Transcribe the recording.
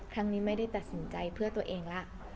ครั้งนี้ไม่ได้ตัดสินใจเพื่อตัวเองละ